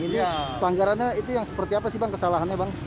ini pelanggarannya itu yang seperti apa sih bang kesalahannya bang